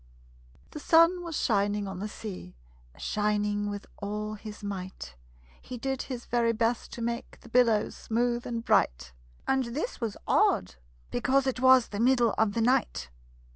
The sun was shining on the sea, Shining with all his might; He did his very best to make The billows smooth and bright And this was odd, because it was The middle of the night.